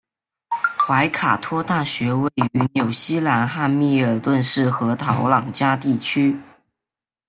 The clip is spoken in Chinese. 怀卡托大学位于纽西兰汉密尔顿市和陶朗加地区。